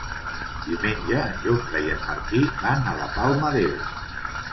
Diumenge en Jofre i en Martí van a la Palma d'Ebre.